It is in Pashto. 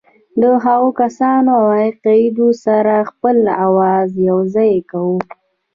له هغو کسانو او عقایدو سره خپل آواز یوځای کوو.